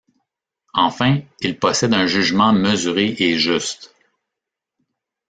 Enfin, il possède un jugement mesuré et juste.